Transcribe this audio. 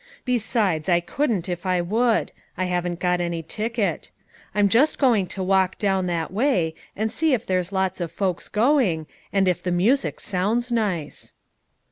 Besides, I couldn't if I would; I haven't got any ticket. I'm just going to walk down that way, and see if there's lots of folks going, and if the music sounds nice."